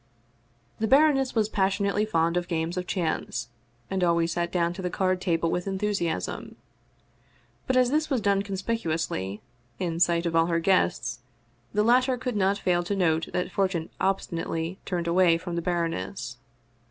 The baroness was passionately fond of games of chance, and always sat down to the card table with enthusiasm. But as this was done conspicuously, in sight of all her guests, the latter could not fail to note that fortune obsti nately turned away from the baroness.